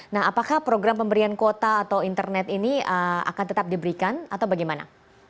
nah apakah program pemberian kuota atau internet ini akan tetap diberikan atau bagaimana